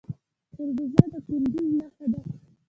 خربوزه د کندز نښه ده.